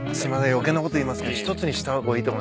余計なこと言いますけど１つにした方がいいと思います。